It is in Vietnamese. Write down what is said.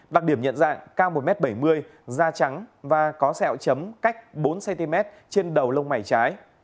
đặc điểm nhận dạng cao một m bảy mươi da trắng và có sẹo chấm cách bốn cm trên đầu lông mày trái